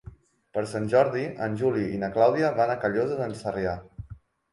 Per Sant Jordi en Juli i na Clàudia van a Callosa d'en Sarrià.